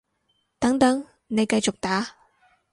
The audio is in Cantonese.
等等，你繼續打